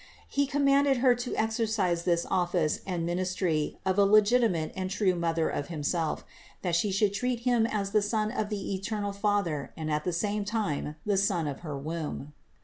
He commanded Her to exercise this office and ministry of a legitimate and true Mother of Himself ; that She should treat Him as the Son of the eternal Father and at the same time the Son of her womb.